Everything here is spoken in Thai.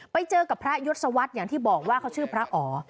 ไปเจอกับพระยศวรรษอย่างที่บอกว่าเขาชื่อพระอ๋อ